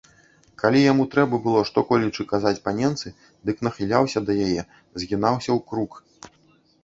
Калі яму трэба было што-колечы казаць паненцы, дык нахіляўся да яе, згінаўся ў крук.